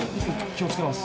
気を付けます。